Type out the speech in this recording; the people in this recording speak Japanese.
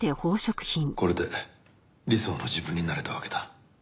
これで理想の自分になれたわけだ。